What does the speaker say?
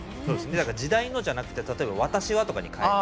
だから「時代の」じゃなくて例えば「私は」とかに変えて。